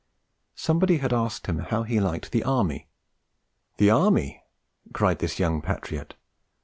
Somebody had asked him how he liked the Army. 'The Army?' cried this young patriot.